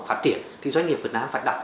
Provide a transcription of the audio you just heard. phát triển thì doanh nghiệp việt nam phải đặt